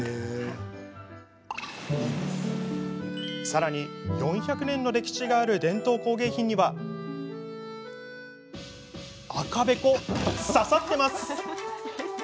さらに４００年の歴史がある伝統工芸品には赤べこ、刺さっています。